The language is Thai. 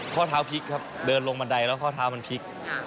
ข้อเท้าพลิกครับเดินลงบันไดแล้วข้อเท้ามันพลิก